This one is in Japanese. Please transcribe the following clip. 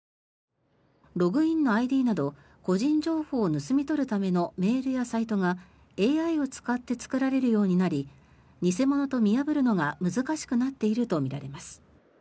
ログインのＩＤなど個人情報を盗み取るためのメールやサイトがＡＩを使って作られるようになり偽物と見破るのが難しくなっているとみられます。